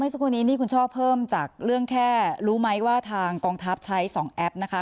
สักครู่นี้นี่คุณช่อเพิ่มจากเรื่องแค่รู้ไหมว่าทางกองทัพใช้๒แอปนะคะ